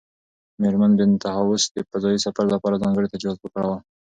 مېرمن بینتهاوس د فضایي سفر لپاره ځانګړي تجهیزات وکارول.